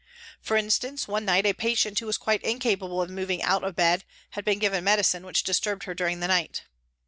For instance, one night a patient who was quite incapable of moving out of bed had been given medicine which disturbed her during the night.